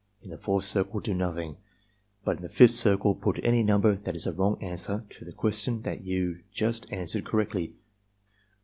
In the fourth circle do nothing, but in the fifth circle put any number that is a wrong answer to the question that you just answered correctly.